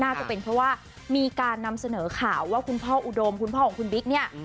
น่าจะเป็นเพราะว่ามีการนำเสนอข่าวว่าคุณพ่ออุดมคุณพ่อของคุณบิ๊กเนี่ย